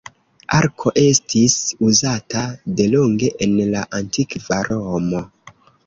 Arko estis uzata delonge en la Antikva Romo.